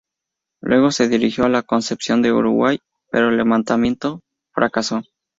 Luego se dirigió a Concepción del Uruguay, pero el levantamiento fracasó.